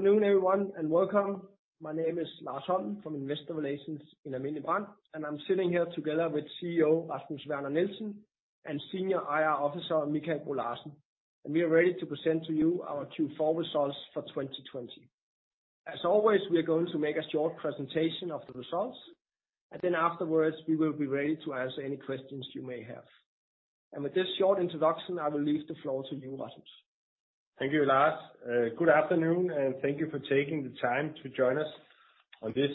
Good afternoon, everyone, and welcome. My name is Lars Holm from Investor Relations in Alm. Brand, and I'm sitting here together with CEO Rasmus Werner Nielsen and Senior IR Officer Mikael Bo Larsen, and we are ready to present to you our Q4 results for 2020. As always, we are going to make a short presentation of the results, and then afterwards we will be ready to answer any questions you may have. With this short introduction, I will leave the floor to you, Rasmus. Thank you, Lars. Good afternoon, and thank you for taking the time to join us on this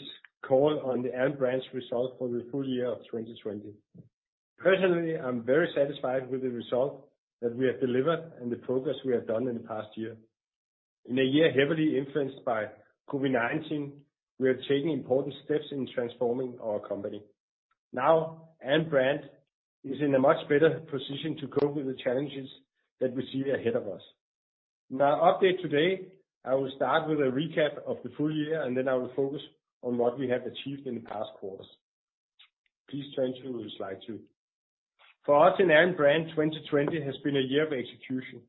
call on the Alm. Brand's results for the full year of 2020. Personally, I'm very satisfied with the result that we have delivered and the progress we have done in the past year. In a year heavily influenced by COVID-19, we are taking important steps in transforming our company. Now, Alm. Brand is in a much better position to cope with the challenges that we see ahead of us. In our update today, I will start with a recap of the full year, and then I will focus on what we have achieved in the past quarters. Please turn to slide two. For us in Alm. Brand, 2020 has been a year of execution.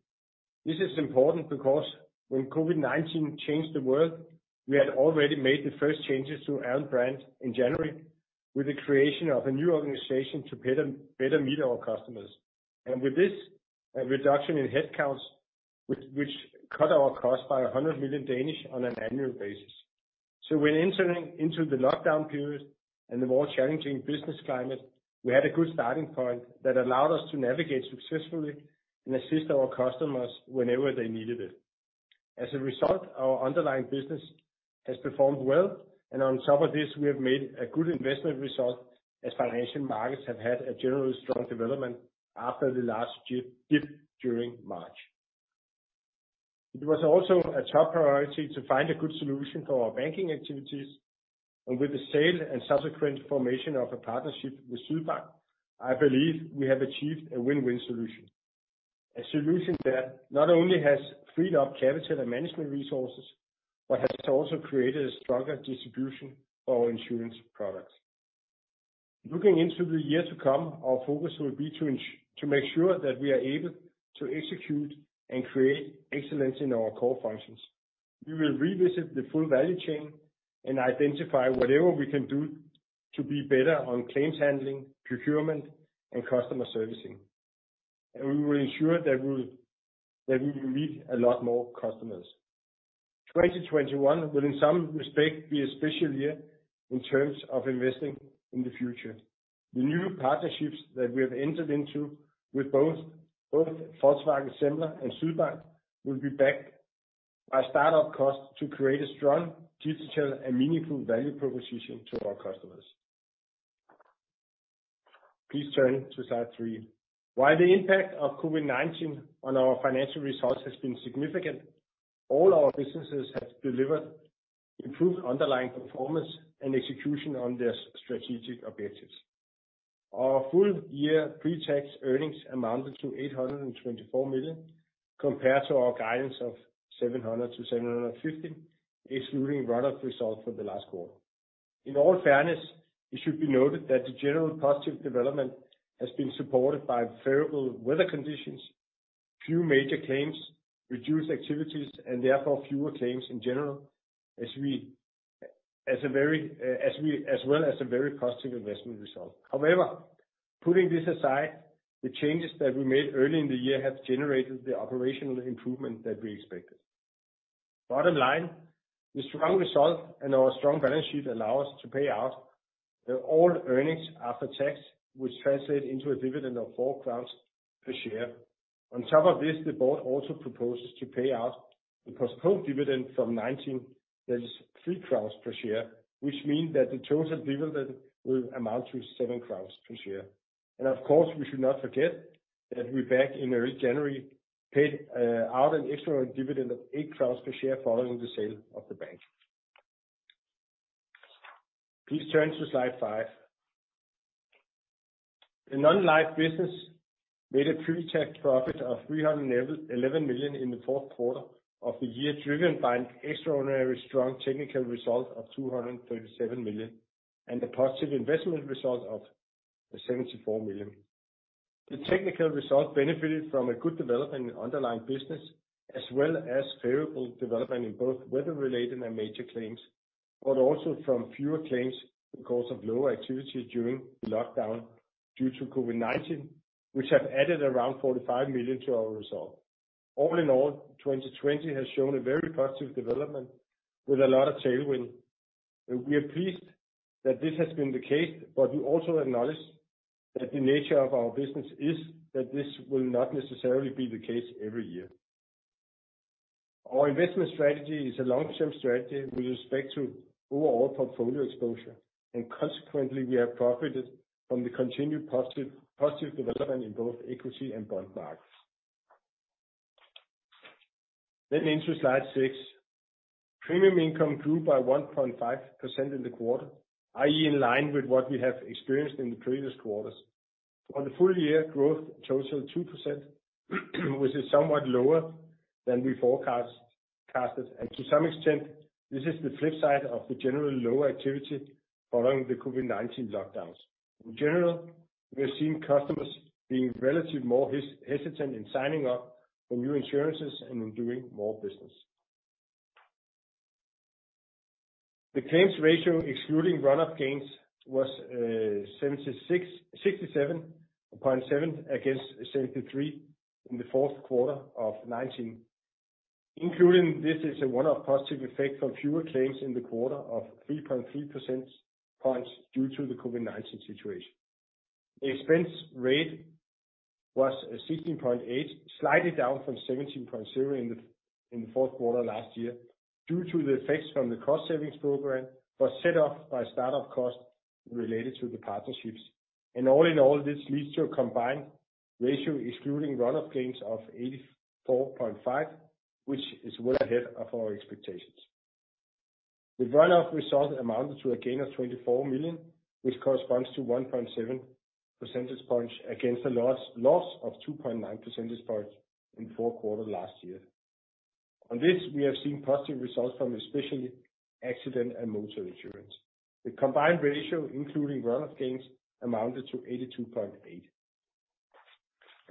This is important because when COVID-19 changed the world, we had already made the first changes to Alm. Brand in January with the creation of a new organization to better meet our customers. With this, a reduction in headcounts which cut our cost by 100 million on an annual basis. When entering into the lockdown period and the more challenging business climate, we had a good starting point that allowed us to navigate successfully and assist our customers whenever they needed it. As a result, our underlying business has performed well and on top of this, we have made a good investment result as financial markets have had a generally strong development after the last dip during March. It was also a top priority to find a good solution for our banking activities, and with the sale and subsequent formation of a partnership with Sydbank, I believe we have achieved a win-win solution. A solution that not only has freed up capital and management resources, but has also created a stronger distribution for our insurance products. Looking into the year to come, our focus will be to make sure that we are able to execute and create excellence in our core functions. We will revisit the full value chain and identify whatever we can do to be better on claims handling, procurement, and customer servicing. We will ensure that we will meet a lot more customers. 2021 will in some respect be a special year in terms of investing in the future. The new partnerships that we have entered into with both Volkswagen Semler and Sydbank will be backed by start-up costs to create a strong digital and meaningful value proposition to our customers. Please turn to slide three. While the impact of COVID-19 on our financial results has been significant, all our businesses have delivered improved underlying performance and execution on their strategic objectives. Our full year pre-tax earnings amounted to 824 million, compared to our guidance of 700 million-750 million, excluding run-off results for the last quarter. In all fairness, it should be noted that the general positive development has been supported by favorable weather conditions, few major claims, reduced activities, and therefore fewer claims in general, as well as a very positive investment result. Putting this aside, the changes that we made early in the year have generated the operational improvement that we expected. Bottom line, the strong result and our strong balance sheet allow us to pay out all earnings after tax, which translate into a dividend of four DKK per share. The board also proposes to pay out the postponed dividend from 2019. That is 3 crowns per share, which mean that the total dividend will amount to 7 crowns per share. We should not forget that we back in early January paid out an extraordinary dividend of 8 crowns per share following the sale of the bank. Please turn to slide five. The non-life business made a pre-tax profit of 311 million in the fourth quarter of the year, driven by an extraordinary strong technical result of 237 million and a positive investment result of 74 million. The technical result benefited from a good development in underlying business as well as favorable development in both weather-related and major claims, but also from fewer claims because of lower activity during the lockdown due to COVID-19, which have added around 45 million to our result. All in all, 2020 has shown a very positive development with a lot of tailwind, and we are pleased that this has been the case, but we also acknowledge that the nature of our business is that this will not necessarily be the case every year. Our investment strategy is a long-term strategy with respect to overall portfolio exposure, and consequently, we have profited from the continued positive development in both equity and bond markets. Into slide six. Premium income grew by 1.5% in the quarter, i.e., in line with what we have experienced in the previous quarters. On the full year, growth totaled 2%, which is somewhat lower than we forecasted. To some extent, this is the flip side of the general lower activity following the COVID-19 lockdowns. In general, we have seen customers being relatively more hesitant in signing up for new insurances and in doing more business. The claims ratio, excluding run-off gains, was 67.7 against 73 in the fourth quarter of 2019. Including this is a one-off positive effect of fewer claims in the quarter of 3.3 percentage points due to the COVID-19 situation. The expense ratio was 16.8, slightly down from 17.0 in the fourth quarter last year due to the effects from the cost savings program, set off by start-up costs related to the partnerships. All in all, this leads to a combined ratio excluding run-off gains of 84.5, which is well ahead of our expectations. The run-off result amounted to a gain of 24 million, which corresponds to 1.7 percentage points against a loss of 2.9 percentage points in the fourth quarter last year. On this, we have seen positive results from especially accident and motor insurance. The combined ratio, including run-off gains, amounted to 82.8.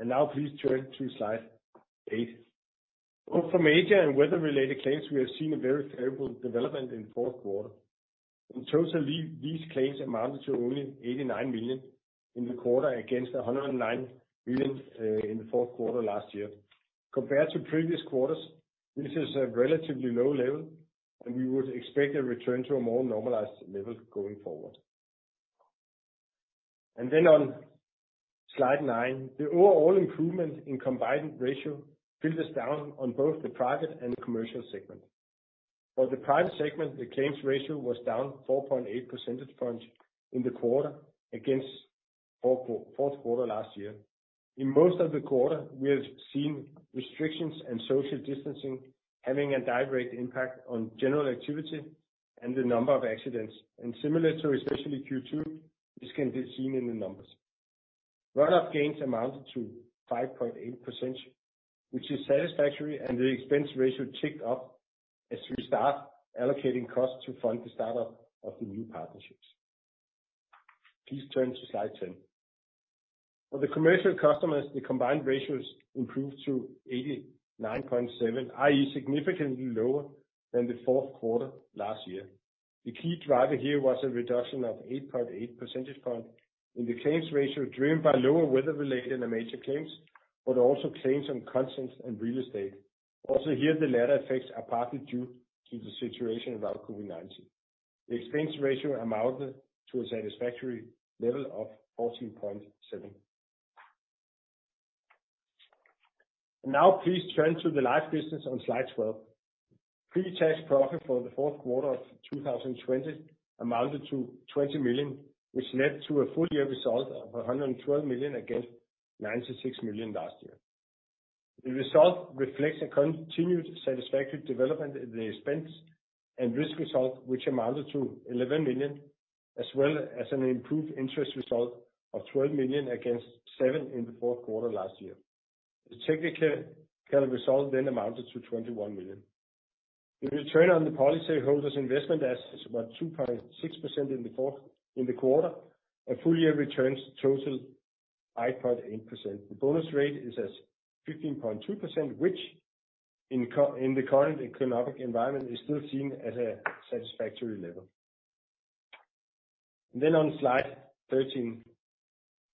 Now please turn to slide eight. Both from major and weather-related claims, we have seen a very favorable development in the fourth quarter. In total, these claims amounted to only 89 million in the quarter against 109 million in the fourth quarter last year. Compared to previous quarters, this is a relatively low level, and we would expect a return to a more normalized level going forward. Then on slide nine, the overall improvement in combined ratio filters down on both the private and commercial segment. For the private segment, the claims ratio was down 4.8 percentage points in the quarter against fourth quarter last year. In most of the quarter, we have seen restrictions and social distancing having a direct impact on general activity and the number of accidents. Similar to especially Q2, this can be seen in the numbers. Run-off gains amounted to 5.8%, which is satisfactory, and the expense ratio ticked up as we start allocating costs to fund the start-up of the new partnerships. Please turn to slide 10. For the commercial customers, the combined ratios improved to 89.7%, i.e., significantly lower than the fourth quarter last year. The key driver here was a reduction of 8.8 percentage point in the claims ratio, driven by lower weather-related and major claims, but also claims on contents and real estate. Also here, the latter effects are partly due to the situation around COVID-19. The expense ratio amounted to a satisfactory level of 14.7%. Now please turn to the life business on slide 12. Pre-tax profit for the fourth quarter of 2020 amounted to 20 million, which led to a full-year result of 112 million against 96 million last year. The result reflects a continued satisfactory development in the expense and risk result, which amounted to 11 million, as well as an improved interest result of 12 million against seven in the fourth quarter last year. The technical result amounted to 21 million. The return on the policyholder's investment assets was 2.6% in the quarter, and full-year returns totaled 5.8%. The bonus rate is at 15.2%, which in the current economic environment is still seen at a satisfactory level. On slide 13.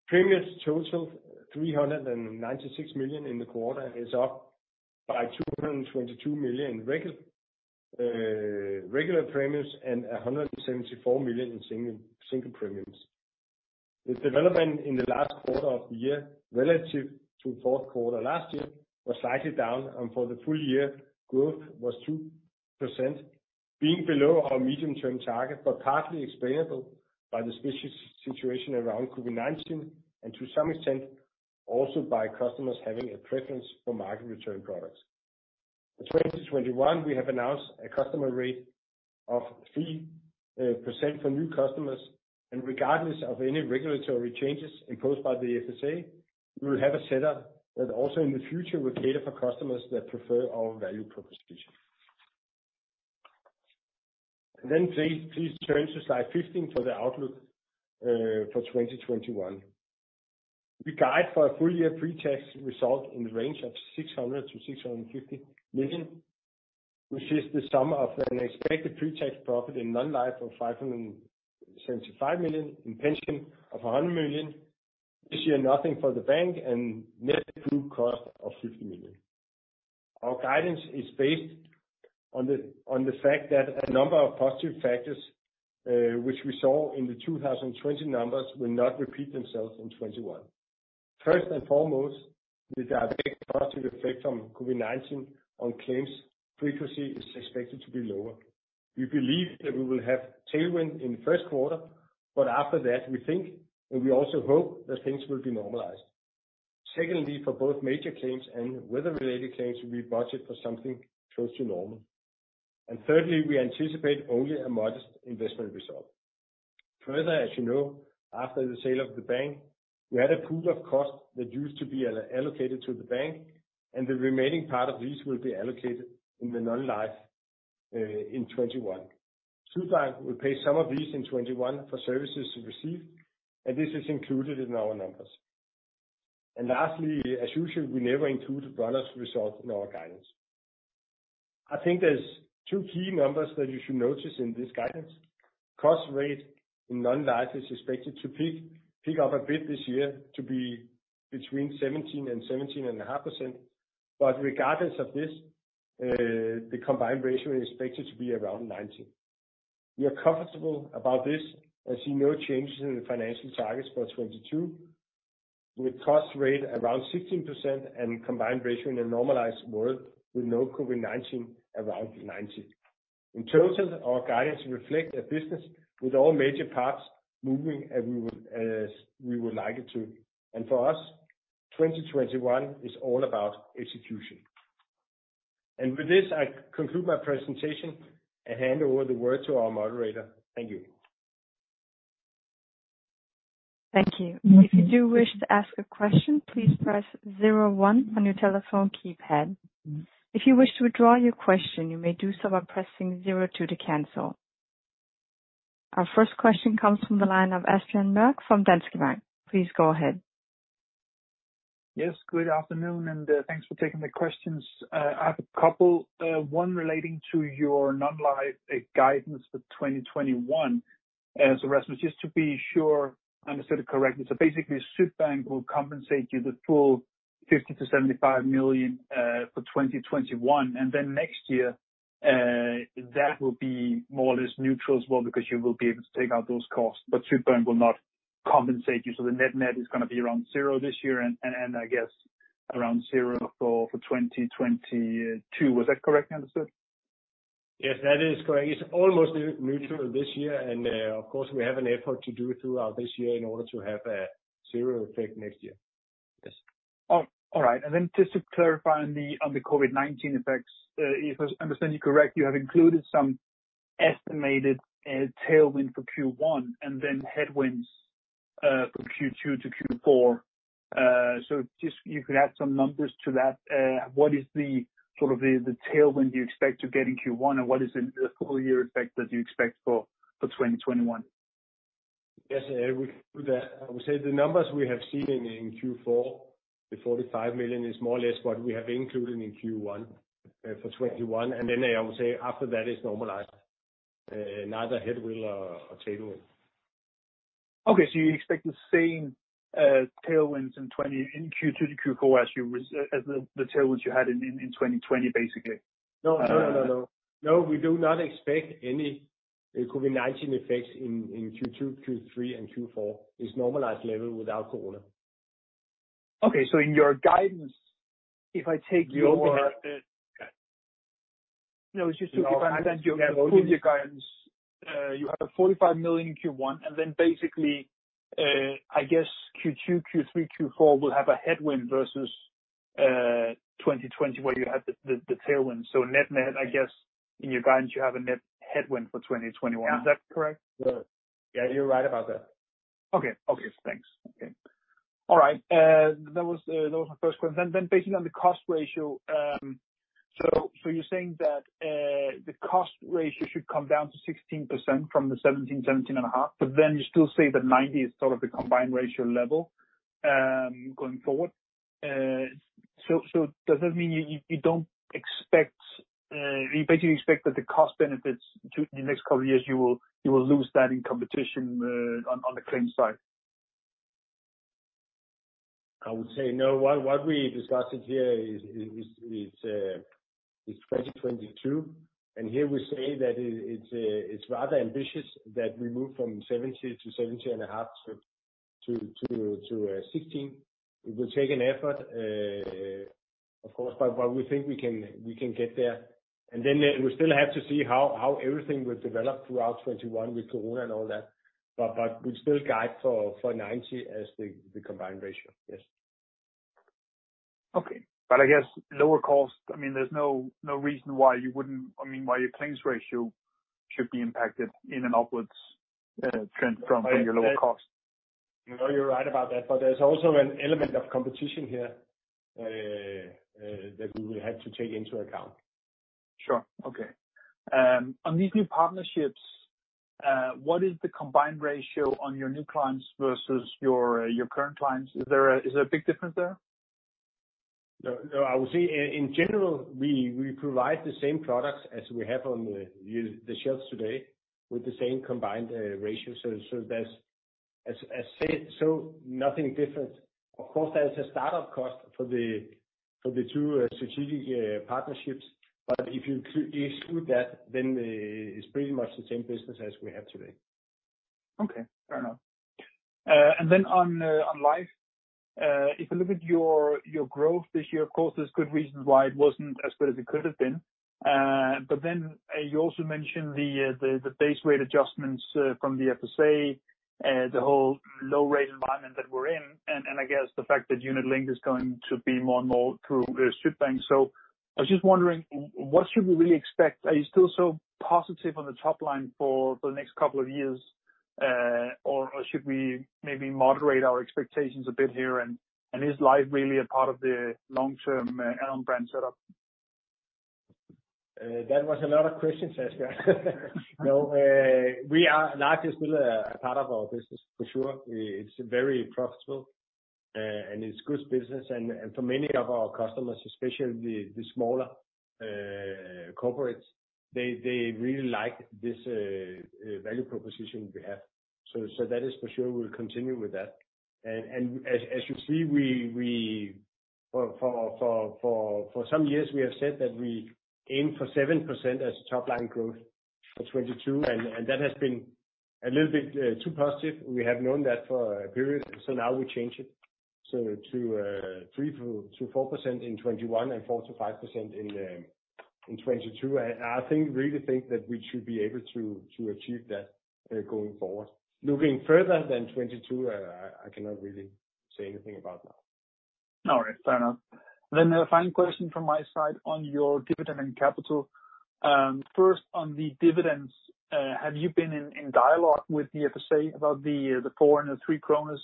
Premiums totaled 396 million in the quarter, is up by 222 million in regular premiums and 174 million in single premiums. The development in the last quarter of the year relative to fourth quarter last year was slightly down, and for the full year, growth was 2%, being below our medium-term target, but partly explainable by the specific situation around COVID-19 and to some extent also by customers having a preference for market return products. For 2021, we have announced a customer rate of 3% for new customers, and regardless of any regulatory changes imposed by the FSA, we will have a setup that also in the future will cater for customers that prefer our value proposition. Please turn to slide 15 for the outlook for 2021. We guide for a full-year pre-tax result in the range of 600 million-650 million, which is the sum of an expected pre-tax profit in non-life of 575 million, in pension of 100 million. This year, nothing for the bank and net group cost of 50 million. Our guidance is based on the fact that a number of positive factors, which we saw in the 2020 numbers, will not repeat themselves in 2021. First and foremost, the direct positive effect from COVID-19 on claims frequency is expected to be lower. We believe that we will have tailwind in the first quarter, but after that, we think and we also hope that things will be normalized. Secondly, for both major claims and weather-related claims, we budget for something close to normal. Thirdly, we anticipate only a modest investment result. Further, as you know, after the sale of the bank, we had a pool of costs that used to be allocated to the bank, and the remaining part of these will be allocated in the non-life in 2021. Sydbank will pay some of these in 2021 for services received. This is included in our numbers. Lastly, as usual, we never include run-off results in our guidance. I think there's two key numbers that you should notice in this guidance. Cost rate in non-life is expected to pick up a bit this year to be between 17% and 17.5%. Regardless of this, the combined ratio is expected to be around 90%. We are comfortable about this and see no changes in the financial targets for 2022, with cost rate around 16% and combined ratio in a normalized world with no COVID-19 around 90%. In total, our guidance reflects a business with all major parts moving as we would like it to. For us, 2021 is all about execution. With this, I conclude my presentation and hand over the word to our moderator. Thank you. Thank you. If you do wish to ask a question, please press zero one on your telephone keypad. If you wish to withdraw your question, you may do so by pressing zero two to cancel. Our first question comes from the line of Asbjørn Mørk from Danske Bank. Please go ahead. Yes, good afternoon. Thanks for taking the questions. I have a couple. One relating to your non-life guidance for 2021. Rasmus, just to be sure I understood it correctly. Basically, Sydbank will compensate you the full 50 million-75 million for 2021, and then next year, that will be more or less neutral as well because you will be able to take out those costs. Sydbank will not compensate you, so the net is going to be around zero this year and I guess around zero for 2022. Was that correctly understood? Yes, that is correct. It's almost neutral this year, and of course, we have an effort to do throughout this year in order to have a zero effect next year. Yes. All right. Just to clarify on the COVID-19 effects. If I understand you correctly, you have included some estimated tailwind for Q1 and then headwinds from Q2 to Q4. Just, if you could add some numbers to that. What is the tailwind you expect to get in Q1, and what is the full year effect that you expect for 2021? Yes, we can do that. I would say the numbers we have seen in Q4, the 45 million is more or less what we have included in Q1 for 2021. I would say after that it's normalized. Neither headwind or tailwind. Okay. You expect the same tailwinds in Q2 to Q4 as the tailwinds you had in 2020, basically? No. We do not expect any COVID-19 effects in Q2, Q3, and Q4. It's normalized level without Corona. Okay. in your guidance, if I take- You have the- No, it's just to confirm. I understand you have in your guidance, you have 45 million in Q1, basically, I guess Q2, Q3, Q4 will have a headwind versus 2020 where you had the tailwind. Net, I guess in your guidance, you have a net headwind for 2021. Is that correct? Yeah. You're right about that. Okay. Thanks. Okay. All right. That was my first question. Based on the cost ratio. You're saying that the cost ratio should come down to 16% from the 17%, 17.5%, but then you still say that 90% is sort of the combined ratio level going forward. Does that mean you basically expect that the cost benefits to the next couple of years, you will lose that in competition on the claims side? I would say no. What we discussed here is 2022. Here we say that it's rather ambitious that we move from 17%-17.5% to 16%. It will take an effort, of course. We think we can get there. We still have to see how everything will develop throughout 2021 with COVID-19 and all that. We still guide for 90% as the combined ratio. Yes. Okay. I guess lower cost, there's no reason why your claims ratio should be impacted in an upwards trend from your lower cost. No, you're right about that. There's also an element of competition here that we will have to take into account. Sure. Okay. On these new partnerships, what is the combined ratio on your new clients versus your current clients? Is there a big difference there? No. I would say in general, we provide the same products as we have on the shelves today with the same combined ratio. Nothing different. Of course, there is a start-up cost for the two strategic partnerships. If you exclude that, then it's pretty much the same business as we have today. Okay. Fair enough. On life, if you look at your growth this year, of course, there's good reasons why it wasn't as good as it could have been. You also mentioned the base rate adjustments from the FSA, the whole low rate environment that we're in, and I guess the fact that unit-linked is going to be more and more through Sydbank. I was just wondering, what should we really expect? Are you still so positive on the top line for the next couple of years? Should we maybe moderate our expectations a bit here, and is life really a part of the long-term Alm. Brand setup? That was a lot of questions, Asbjørn. Life is still a part of our business for sure. It's very profitable, and it's good business. For many of our customers, especially the smaller corporates, they really like this value proposition we have. That is for sure, we'll continue with that. As you see, for some years we have said that we aim for 7% as top-line growth for 2022, and that has been a little bit too positive. We have known that for a period, now we change it to 3%-4% in 2021 and 4%-5% in 2022. I really think that we should be able to achieve that going forward. Looking further than 2022, I cannot really say anything about now. All right, fair enough. The final question from my side on your dividend and capital. First, on the dividends, have you been in dialogue with the FSA about the 4 and the 3 kroner?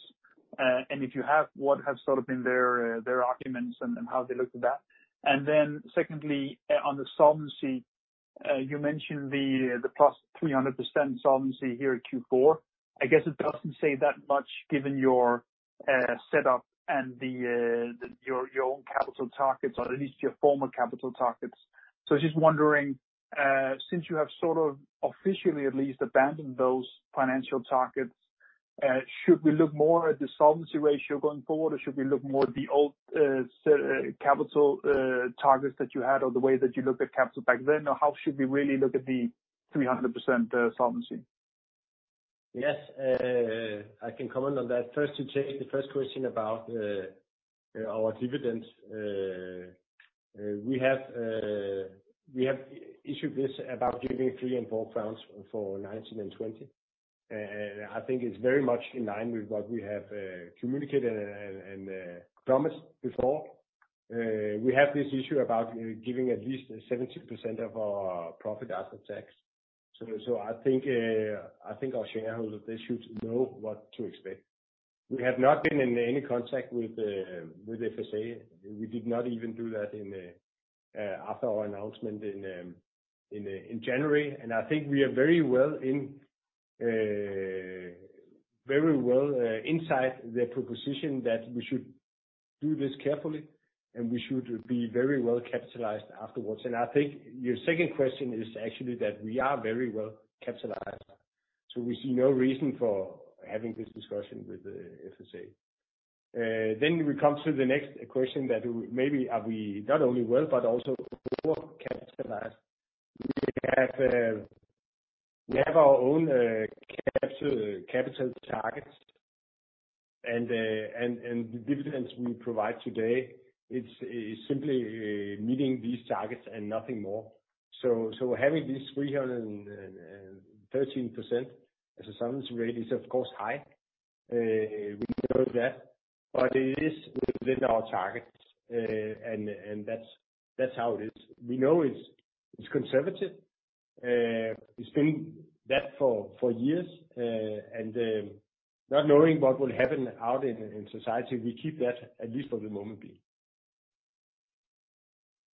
If you have, what have sort of been their arguments and how they looked at that? Secondly, on the solvency, you mentioned the +300% solvency here in Q4. I guess it doesn't say that much given your setup and your own capital targets or at least your former capital targets. Just wondering, since you have sort of officially at least abandoned those financial targets, should we look more at the solvency ratio going forward, or should we look more at the old capital targets that you had or the way that you looked at capital back then? How should we really look at the 300% solvency? Yes, I can comment on that. First, to take the first question about our dividends. We have issued this about giving 3 and 4 crowns for 2019 and 2020. I think it's very much in line with what we have communicated and promised before. We have this issue about giving at least 70% of our profit after tax. I think our shareholders, they should know what to expect. We have not been in any contact with the FSA. We did not even do that after our announcement in January. I think we are very well inside the proposition that we should do this carefully, and we should be very well capitalized afterwards. I think your second question is actually that we are very well capitalized, so we see no reason for having this discussion with the FSA. We come to the next question that maybe are we not only well but also overcapitalized. We have our own capital targets, and the dividends we provide today, it's simply meeting these targets and nothing more. Having this 313% as a solvency rate is of course high. We know that, but it is within our targets, and that's how it is. We know it's conservative. It's been that for years, and not knowing what will happen out in society, we keep that, at least for the moment being.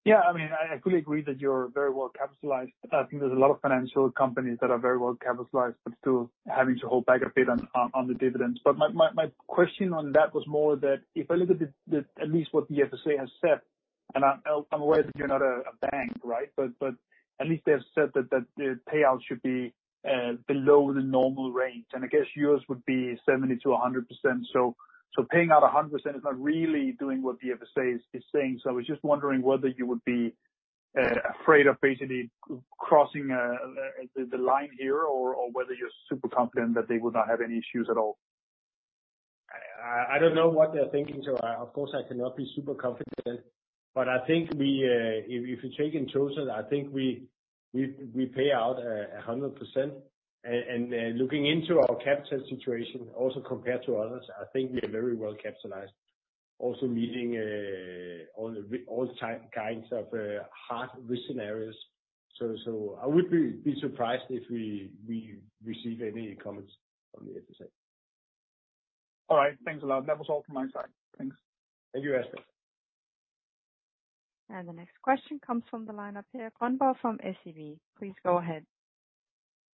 Yeah, I fully agree that you're very well capitalized. I think there's a lot of financial companies that are very well capitalized but still having to hold back a bit on the dividends. My question on that was more that if I look at least what the FSA has said, and I'm aware that you're not a bank, right? At least they've said that the payout should be below the normal range. I guess yours would be 70%-100%. Paying out 100% is not really doing what the FSA is saying. I was just wondering whether you would be afraid of basically crossing the line here or whether you're super confident that they would not have any issues at all. I don't know what they're thinking. Of course, I cannot be super confident. I think if you take in total, I think we pay out 100%. Looking into our capital situation, also compared to others, I think we are very well capitalized, also meeting all kinds of hard risk scenarios. I would be surprised if we receive any comments from the FSA. All right. Thanks a lot. That was all from my side. Thanks. Thank you, Asbjørn. The next question comes from the line of Per Grønborg from SEB, please go ahead.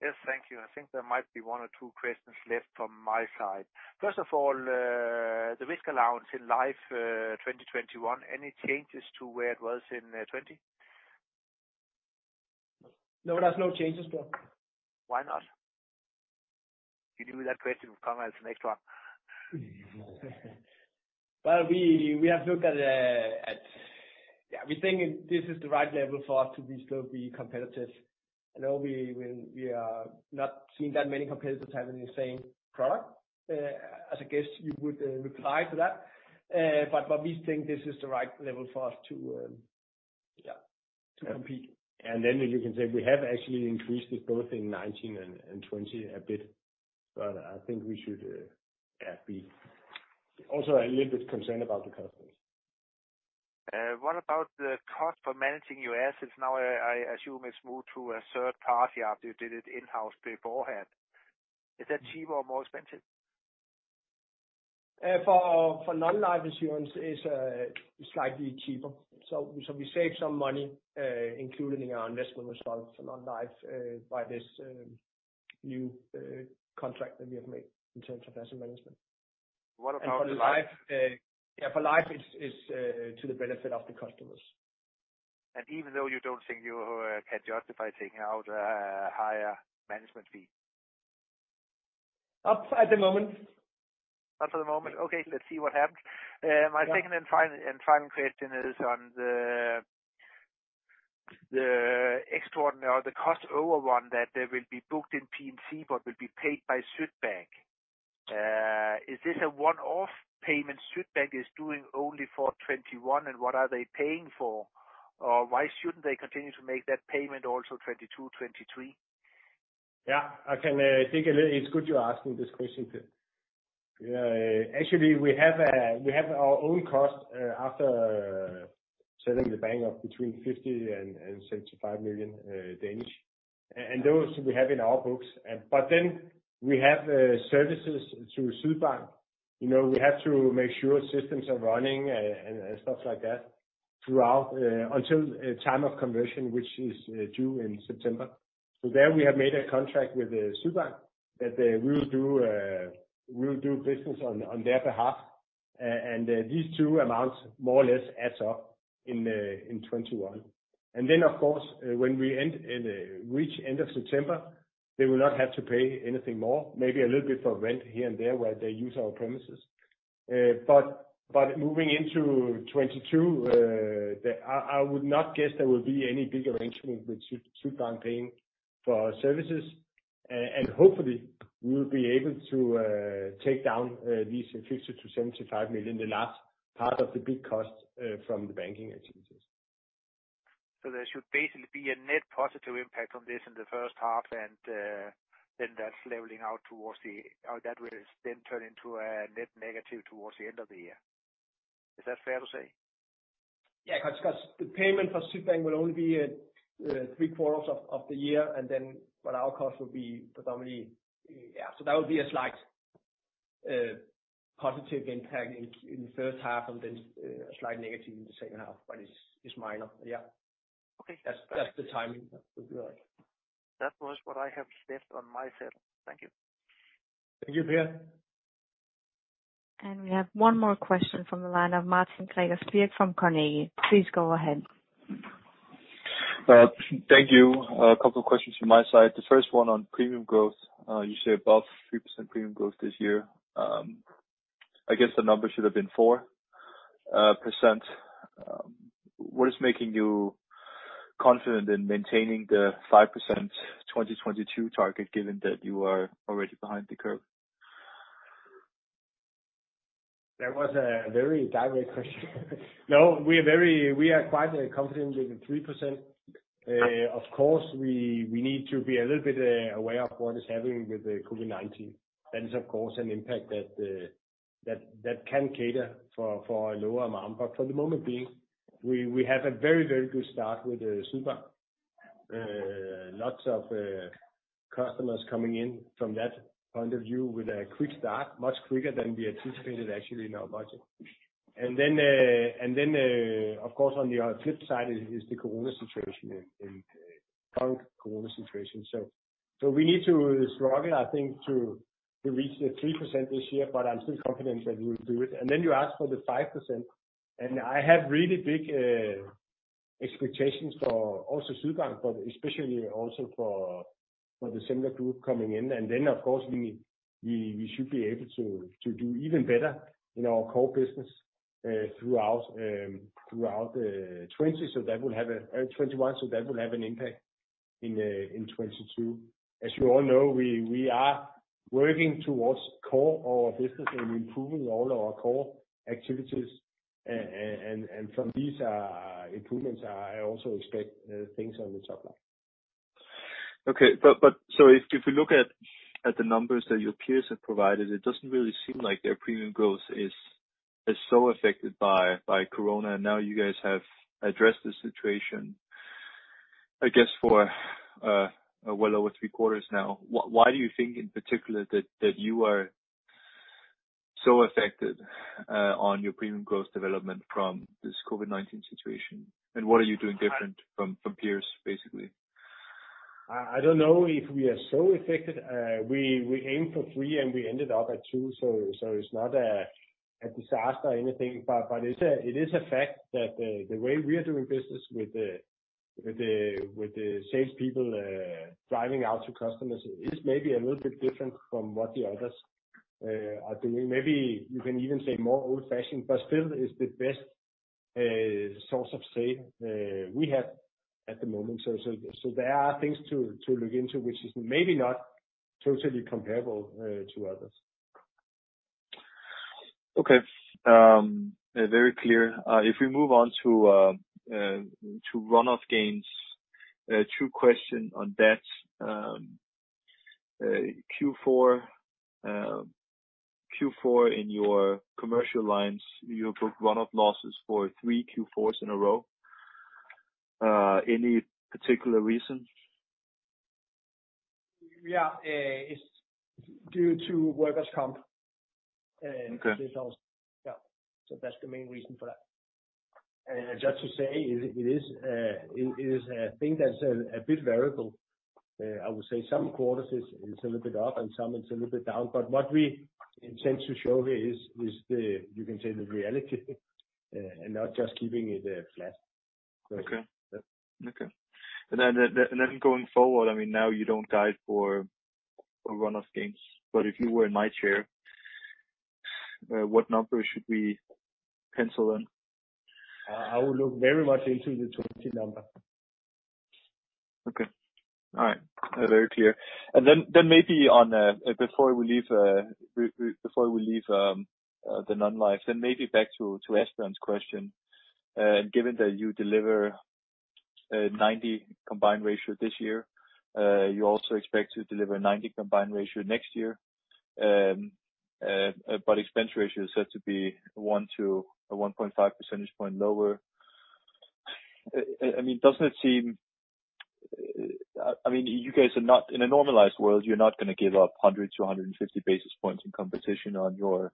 Yes, thank you. I think there might be one or two questions left from my side. First of all, the risk allowance in life 2021, any changes to where it was in 2020? No, there's no changes, Grønborg. Why not? You leave me that question. It will come as the next one. Well, we think this is the right level for us to still be competitive. I know we are not seeing that many competitors having the same product, as I guess you would reply to that. We think this is the right level for us to compete. You can say we have actually increased it both in 2019 and 2020 a bit. I think we should be also a little bit concerned about the customers. What about the cost for managing your assets now? I assume it's moved to a third party after you did it in-house beforehand. Is that cheaper or more expensive? For non-life insurance, it's slightly cheaper. We save some money, including our investment expense for non-life, by this new contract that we have made in terms of asset management. What about for life? For life, it's to the benefit of the customers. Even though you don't think you can justify taking out a higher management fee? Not at the moment. Not for the moment. Okay, let's see what happens. Yeah. My second and final question is on the extraordinary or the cost overrun that will be booked in P&C but will be paid by Sydbank. Is this a one-off payment Sydbank is doing only for 2021? What are they paying for? Why shouldn't they continue to make that payment also 2022, 2023? It's good you're asking this question. Actually, we have our own cost after selling the bank of between 50 million and 75 million. Those we have in our books. We have services through Sydbank. We have to make sure systems are running and stuff like that until time of conversion, which is due in September. There we have made a contract with Sydbank that we will do business on their behalf. These two amounts more or less add up in 2021. Of course, when we reach end of September, they will not have to pay anything more, maybe a little bit for rent here and there where they use our premises. Moving into 2022, I would not guess there will be any big arrangement with Sydbank paying for our services. Hopefully we will be able to take down these 50 million-75 million, the last part of the big cost from the banking activities. There should basically be a net positive impact on this in the first half, and then that's leveling out or that will then turn into a net negative towards the end of the year. Is that fair to say? Yeah, because the payment for Sydbank will only be three quarters of the year, and then what our cost will be predominantly. That would be a slight positive impact in the first half and then a slight negative in the second half. It's minor. Okay. That's the timing. That would be right. That was what I have left on my side. Thank you. Thank you, Per. We have one more question from the line of Martin Gregers Birk from Carnegie. Please go ahead. Thank you. A couple of questions from my side. The first one on premium growth. You say above 3% premium growth this year. I guess the number should have been 4%. What is making you confident in maintaining the 5% 2022 target given that you are already behind the curve? That was a very direct question. No, we are quite confident with the 3%. Of course, we need to be a little bit aware of what is happening with the COVID-19. That is, of course, an impact that can cater for a lower amount. For the moment being, we have a very good start with Sydbank. Lots of customers coming in from that point of view with a quick start, much quicker than we anticipated actually in our budget. Then, of course, on the flip side is the current corona situation. We need to struggle, I think, to reach the 3% this year, but I'm still confident that we will do it. Then you ask for the 5%, and I have really big expectations for also Sydbank, but especially also for the Semler Gruppen coming in. Then, of course, we should be able to do even better in our core business throughout 2021, so that will have an impact in 2022. As you all know, we are working towards core our business and improving all our core activities. From these improvements, I also expect things on the top line. Okay. If we look at the numbers that your peers have provided, it doesn't really seem like their premium growth is so affected by Corona. You guys have addressed the situation, I guess, for well over three quarters now. Why do you think in particular that you are so affected on your premium growth development from this COVID-19 situation? What are you doing different from peers, basically? I don't know if we are so affected. We aimed for 3% and we ended up at 2%. It's not a disaster or anything. It is a fact that the way we are doing business with the salespeople driving out to customers is maybe a little bit different from what the others are doing. Maybe you can even say more old-fashioned, still is the best source of sale we have at the moment. There are things to look into which is maybe not totally comparable to others. Okay. Very clear. If we move on to run-off gains, two questions on that. Q4 in your commercial lines, you've booked run-off losses for three Q4s in a row. Any particular reason? Yeah. It's due to workers' compensation and- Okay. Yeah. That's the main reason for that. Just to say, it is a thing that's a bit variable. I would say some quarters it's a little bit up and some it's a little bit down. What we intend to show here is the, you can say the reality, and not just keeping it flat. Okay. Going forward, now you don't guide for run-off gains. If you were in my chair, what number should we pencil in? I would look very much into the 20 number. Okay. All right. Very clear. Then maybe before we leave the non-life, then maybe back to Asbjørn's question, given that you deliver 90 combined ratio this year, you also expect to deliver 90 combined ratio next year. Expense ratio is said to be one to a 1.5 percentage point lower. Doesn't it seem, you guys are not in a normalized world, you're not going to give up 100-150 basis points in competition on your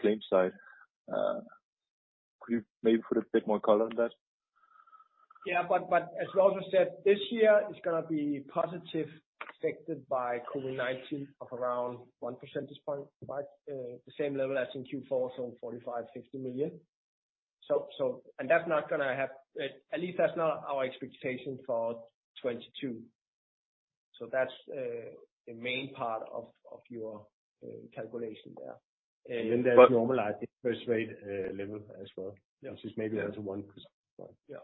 claim side. Could you maybe put a bit more color on that? Yeah, as we also said, this year is going to be positive affected by COVID-19 of around one percentage point, the same level as in Q4, so 45 million-50 million. At least that's not our expectation for 2022. That's the main part of your calculation there. There's normalized interest rate level as well, which is maybe another one. Yeah.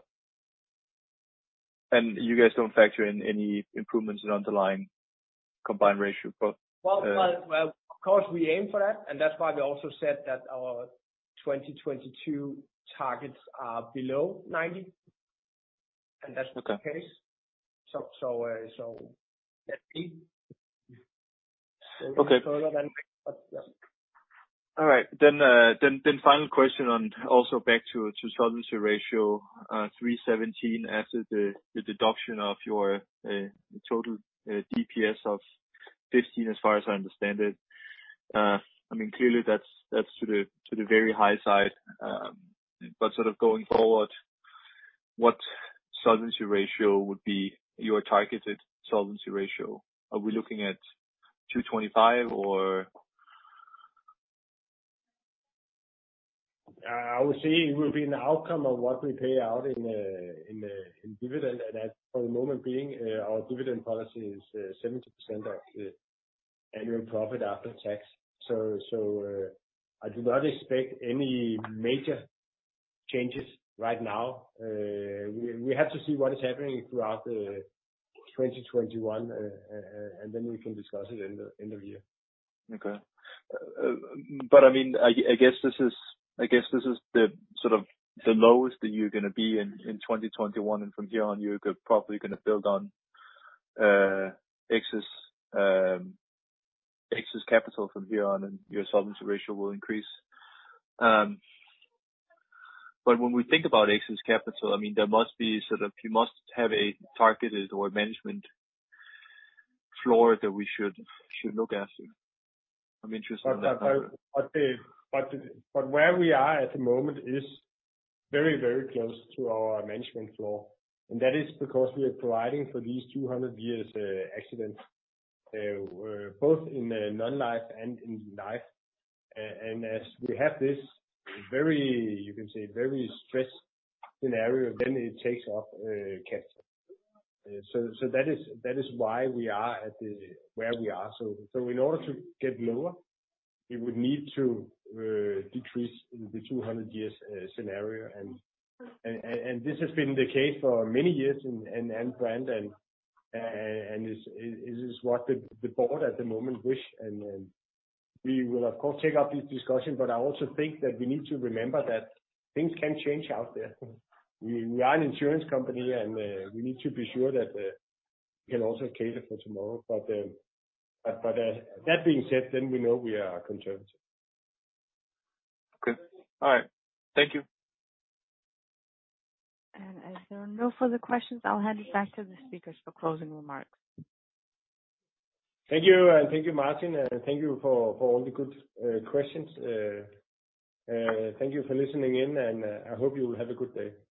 You guys don't factor in any improvements in underlying combined ratio for. Well, of course, we aim for that, and that's why we also said that our 2022 targets are below 90, and that's the case. Okay. That's it. Okay. No further than that. All right. Final question on also back to solvency ratio, 317 after the deduction of your total DPS of 15, as far as I understand it. Clearly, that's to the very high side. Sort of going forward, what solvency ratio would be your targeted solvency ratio? Are we looking at 225 or? I would say it will be an outcome of what we pay out in dividend. At for the moment being, our dividend policy is 70% of annual profit after tax. I do not expect any major changes right now. We have to see what is happening throughout the 2021, and then we can discuss it end of year. Okay. I guess this is the sort of the lowest that you're going to be in 2021, and from here on, you're probably going to build on excess capital from here on, and your solvency ratio will increase. When we think about excess capital, there must be sort of you must have a targeted or management floor that we should look at. I'm interested on that part. Where we are at the moment is very close to our management floor, and that is because we are providing for these 200 years accidents, both in the non-life and in life. As we have this very, you can say, very stressed scenario, then it takes off capital. That is why we are at where we are. In order to get lower, we would need to decrease the 200 years scenario. This has been the case for many years in Alm. Brand, and it is what the board at the moment wish. We will, of course, take up this discussion, but I also think that we need to remember that things can change out there. We are an insurance company, and we need to be sure that we can also cater for tomorrow. That being said, then we know we are conservative. Okay. All right. Thank you. As there are no further questions, I'll hand it back to the speakers for closing remarks. Thank you. Thank you, Martin. Thank you for all the good questions. Thank you for listening in, and I hope you will have a good day. Bye.